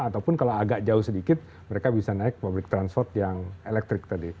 ataupun kalau agak jauh sedikit mereka bisa naik public transport yang elektrik tadi